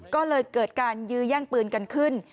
ก็เลยเกิดการยื้อแย่งปืนกันขึ้น